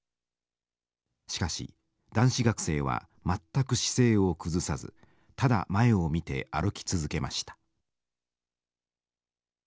しかし男子学生は全く姿勢を崩さずただ前を見て歩き続けました。